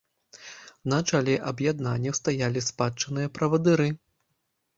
На чале аб'яднанняў стаялі спадчынныя правадыры.